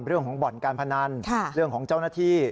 เรื่องของบ่อนการพนันเรื่องของเจ้าหน้าที่